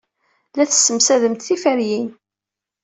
La tessemsademt tiferyin.